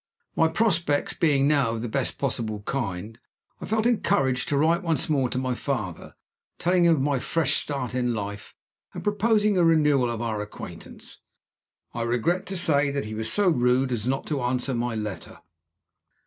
My prospects being now of the best possible kind, I felt encouraged to write once more to my father, telling him of my fresh start in life, and proposing a renewal of our acquaintance. I regret to say that he was so rude as not to answer my letter.